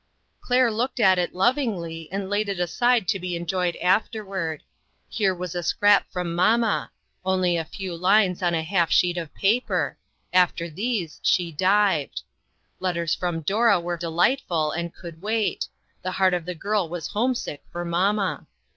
Claire looked at it lovingly, and laid it LOST FRIENDS. 24! aside to be enjoyed afterward. Here was a scrap from mamma; only a few lines on a half sheet of paper; after these she dived. Letters from Dora were delightful, and could wait; the heart of the girl was home sick for mamma.